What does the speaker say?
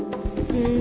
うん？